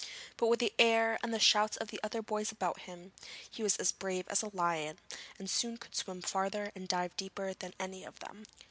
But with the air and the shouts of other boys about him, he was as brave as a lion, and soon could swim farther and dive deeper than any of them.